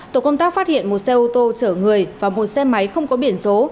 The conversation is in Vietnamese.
tổ công tác phát hiện một xe ô tô chở người và một xe máy không có biển số